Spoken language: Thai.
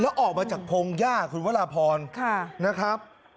และออกมาจากพงคุณวารพรนะครับครับ